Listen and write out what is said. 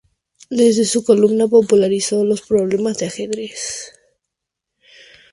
Desde su columna, popularizó los problemas de ajedrez.